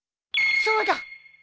そうだ！